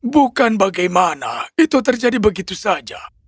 bukan bagaimana itu terjadi begitu saja